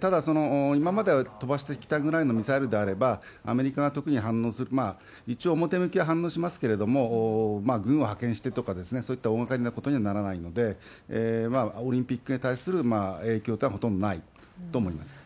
ただ、今まで飛ばしてきたぐらいのミサイルであれば、アメリカが特に反応する、まあ、一応表向きは反応しますけれども、軍を派遣してとか、そういった大がかりなことにはならないので、オリンピックに対する影響というのはほとんどないと思います。